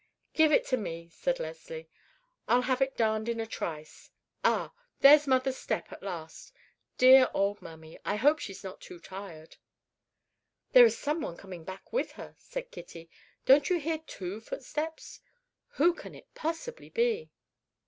"Give it to me," said Leslie; "I'll have it darned in a trice. Ah! there's mother's step at last. Dear old mammy, I hope she is not too tired." "There is someone coming back with her," said Kitty. "Don't you hear two footsteps? Who can it possibly be?"